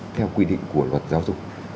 theo quy định của luật giáo dục